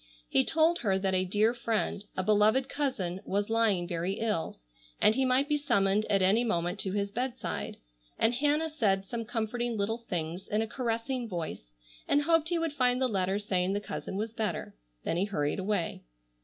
He told her that a dear friend, a beloved cousin, was lying very ill, and he might be summoned at any moment to his bedside, and Hannah said some comforting little things in a caressing voice, and hoped he would find the letter saying the cousin was better. Then he hurried away.